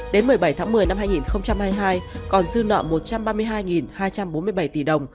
đến một mươi bảy tháng một mươi năm hai nghìn hai mươi hai còn dư nợ một trăm ba mươi hai hai trăm bốn mươi bảy tỷ đồng